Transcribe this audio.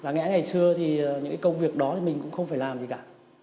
ngã ngày xưa thì những công việc đó mình cũng không phải làm gì cả